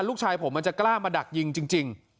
ลูกชายผมมันจะกล้ามาดักยิงจริง